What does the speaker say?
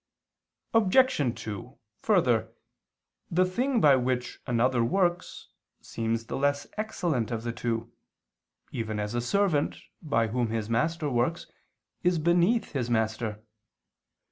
Obj. 2: Further, the thing by which another works seems the less excellent of the two, even as a servant, by whom his master works, is beneath his master.